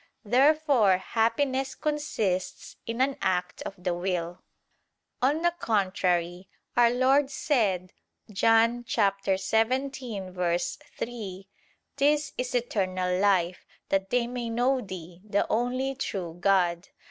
Therefore happiness consists in an act of the will. On the contrary, Our Lord said (John 17:3): "This is eternal life: that they may know Thee, the only true God."